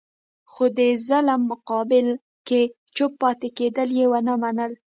خو د ظلم مقابل کې چوپ پاتې کېدل یې ونه منل.